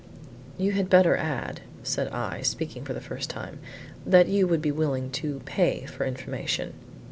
"You had better add," said I, speaking for the first time, "that you would be willing to pay for information."